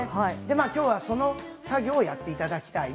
きょうはその作業をやっていただきたいな。